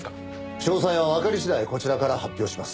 詳細はわかり次第こちらから発表します。